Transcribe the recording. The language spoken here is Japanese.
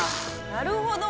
なるほど。